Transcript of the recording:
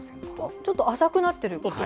ちょっと浅くなってる？